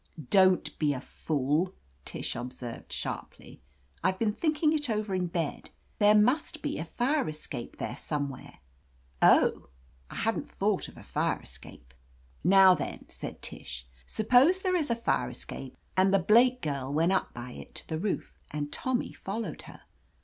Don't be a foolr' Tish observed sharply. I've been thinking it over in bed. There must be a fire escape there somewhere." "Oh !" I hadn't thought of a fire escape. "Now, then," said Tish, "suppose there is a fire escape, and the Blake girl went up by it to the roof, and Tommy followed her.